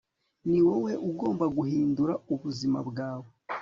ni wowe ugomba guhindura ubuzima bwawe